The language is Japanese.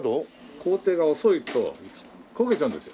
工程が遅いと焦げちゃうんですよ。